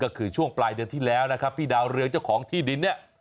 ก็คือช่วงปลายเดือนที่แล้วนะครับพี่ดาวเรืองเจ้าของที่ดินเนี่ย